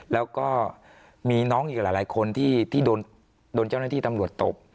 แล้วก็มีน้องอีกหลายคนที่โดนเจ้าหน้าที่ตำรวจตบ